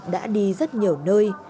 đã đi rất nhiều nơi